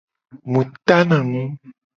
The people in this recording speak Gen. Mu tana nu.